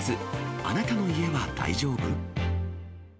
あなたの家は大丈夫？